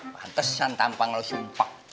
pantesan tampang lu sumpah